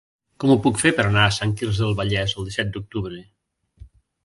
Com ho puc fer per anar a Sant Quirze del Vallès el disset d'octubre?